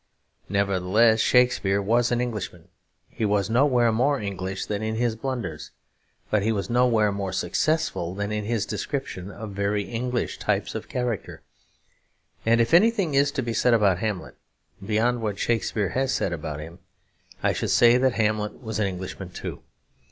Nevertheless, Shakespeare was an Englishman; he was nowhere more English than in his blunders; but he was nowhere more successful than in the description of very English types of character. And if anything is to be said about Hamlet, beyond what Shakespeare has said about him, I should say that Hamlet was an Englishman too.